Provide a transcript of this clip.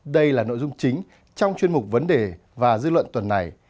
đây là nội dung chính trong chuyên mục vấn đề và dư luận tuần này